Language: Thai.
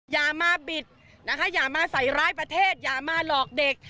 อย่ามาบิดนะคะอย่ามาใส่ร้ายประเทศอย่ามาหลอกเด็ก